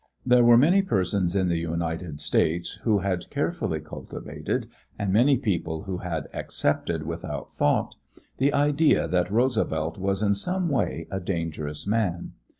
There were persons in the United States who had carefully cultivated and many people who had accepted without thought, the idea that Roosevelt was in some way a dangerous man.